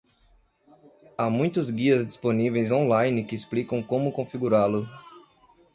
Há muitos guias disponíveis on-line que explicam como configurá-lo.